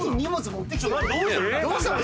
どうしたの？